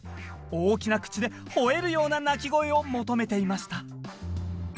大きな口でほえるような鳴き声を求めていました。